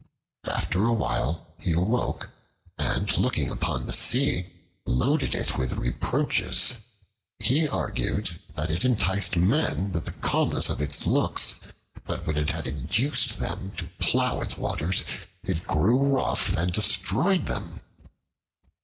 After a while he awoke, and looking upon the Sea, loaded it with reproaches. He argued that it enticed men with the calmness of its looks, but when it had induced them to plow its waters, it grew rough and destroyed them.